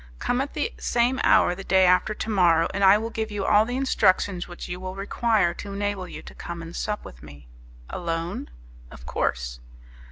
Come at the same hour the day after tomorrow, and I will give you all the instructions which you will require to enable you to come and sup with me." "Alone?" "Of course."